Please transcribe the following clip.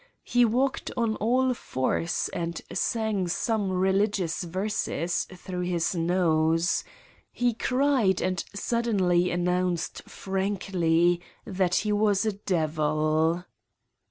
He walked on all fours and sang some re ligious verses through his nose. He cried and suddenly announced frankly that he was a devil.